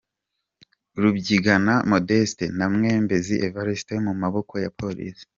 Rubyigana Modeste na Mwembezi Evariste mu maboko ya Police.